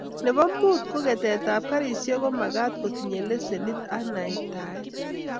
Nebo mut ko ketetab garisiek ko magat kotinyei lesenit ak naitaet